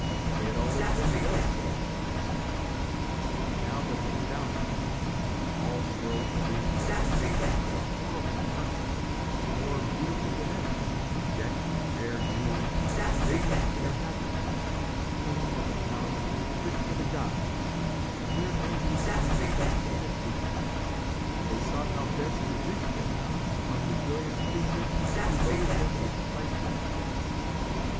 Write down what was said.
They had always been jealous of their younger sister, and now that they found her, whom all the world believed to have been slain by a horrible monster, more beautiful than ever, decked with rare jewels, radiant in her happiness, and queen of a palace fit for the gods, their envy soon turned to hatred, and they sought how best to wreak their malice upon the joyous creature who loaded them with priceless gifts.